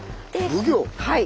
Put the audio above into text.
はい。